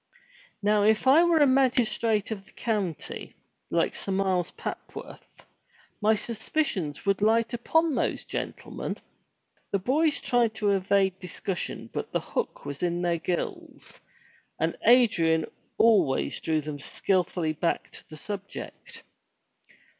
Now if I were a magistrate of the county, like Sir Miles Papworth, my suspicions would light upon those gentlemen." The boys tried to evade discussion but the hook was in their gills, and Adrian always drew them skilfully back to the subject.